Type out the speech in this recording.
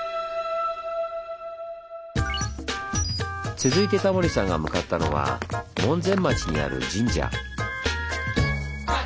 続いてタモリさんが向かったのは門前町にある神社。